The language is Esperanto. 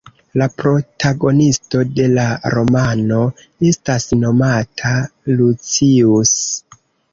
La protagonisto de la romano estas nomata Lucius.